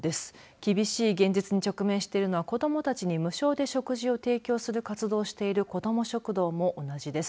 厳しい現実に直面しているのは子どもたちに無償で食事を提供している子ども食堂も同じです。